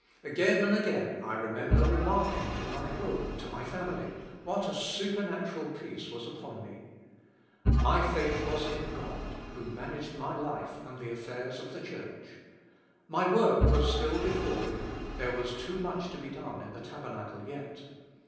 Again and again I remember remarking in my home, to my family, what a supernatural peace was upon me. My faith was in God, who managed my life and the affairs of the Church. My work was still before me, there was too much to be done in the Tabernacle yet.